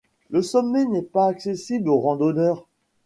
Le sommet n'est pas accessible aux randonneurs.